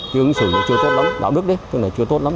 cái ứng xử nó chưa tốt lắm đạo đức đấy chứ nó chưa tốt lắm